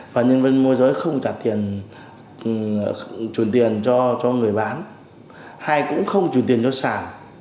và nhân viên môi giới không trả tiền chuyển tiền cho người bán hay cũng không chuyển tiền cho sản